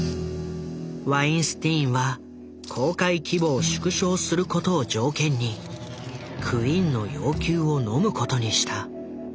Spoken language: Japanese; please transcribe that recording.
ワインスティーンは公開規模を縮小することを条件にクインの要求をのむことにした。